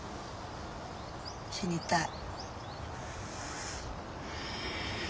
死にたい。